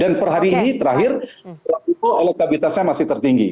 dan per hari ini terakhir waktu itu oletabilitasnya masih tertinggi